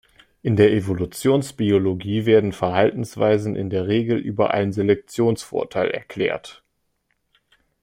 In der Evolutionsbiologie werden Verhaltensweisen in der Regel über einen Selektionsvorteil erklärt.